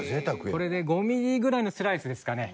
これで５ミリぐらいのスライスですかね。